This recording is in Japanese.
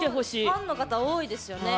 ファンの方多いですよね。